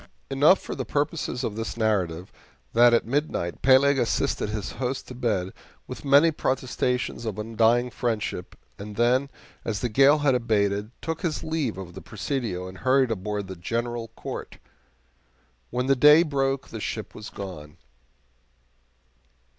Enough for the purposes of this narrative that at midnight Peleg assisted his host to bed with many protestations of undying friendship, and then, as the gale had abated, took his leave of the Presidio and hurried aboard the GENERAL COURT. When the day broke the ship was gone.